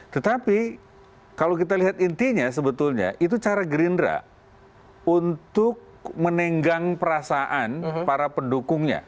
tetapi kalau kita lihat intinya sebetulnya itu cara gerindra untuk menenggang perasaan para pendukungnya